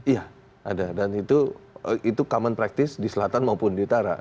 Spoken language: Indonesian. iya ada dan itu common practice di selatan maupun di utara